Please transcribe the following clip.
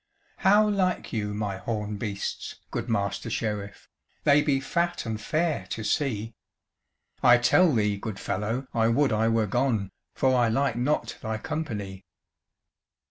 "How like you my horn beasts, good Master Sheriff? They be fat and fair to see"; "I tell thee, good fellow, I would I were gone, For I like not thy company."